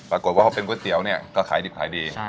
ปรากฏว่าพอเป็นก๋วยเตี๋ยวเนี่ยก็ขายดิบขายดี